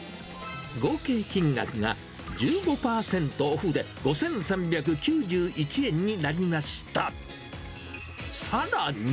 合計金額が１５％オフで５３９１円になりました。